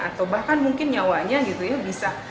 atau bahkan mungkin nyawanya gitu ya bisa